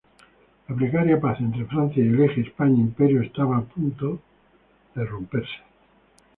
La precaria paz entre Francia y el eje España-Imperio estaba a punto de ruptura.